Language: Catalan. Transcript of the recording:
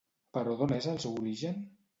Però d'on és el seu origen?